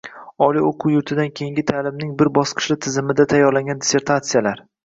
Oliy o‘quv yurtidan keyingi ta’limning bir bosqichli tizimida tayyorlangan dissertatsiyalar